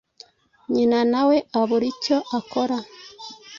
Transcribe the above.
nyina na we abura icyo akora.